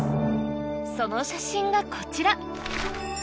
その写真がこちら